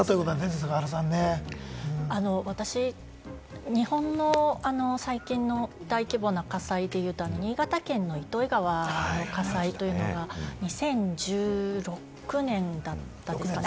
私、日本の最近の大規模な火災というと、新潟県の糸魚川の火災というのが２０１６年だったんですかね。